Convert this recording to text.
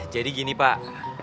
jadi gini pak